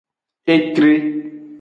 Etre.